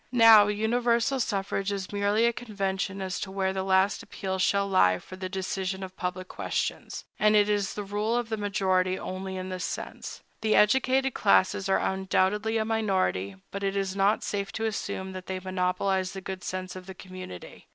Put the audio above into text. Now, universal suffrage is merely a convention as to where the last appeal shall lie for the decision of public questions; and it is the rule of the majority only in this sense. The educated classes are undoubtedly a minority; but it is not safe to assume that they monopolize the good sense of the community.